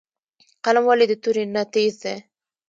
قلم ولې د تورې نه تېز دی؟